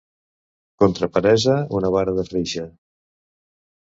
Contra peresa, una vara de freixe.